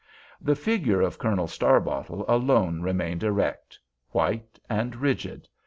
The figure of Colonel Starbottle alone remained erect—white and rigid.